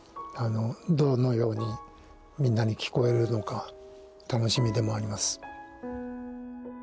どのようにみんなに聞こえるのか楽しみでもあります。